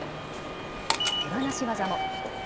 手放し技も。